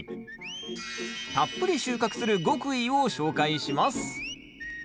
たっぷり収穫する極意を紹介します